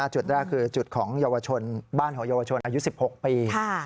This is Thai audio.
๕จุดแรกคือบ้านของเยาวชนอายุ๑๖ปี